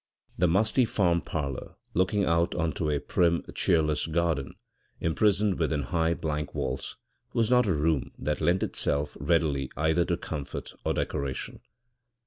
The musty farm parlour, looking out on to a prim, cheerless garden imprisoned within high, blank walls, was not a room that lent itself readily either to comfort or decoration.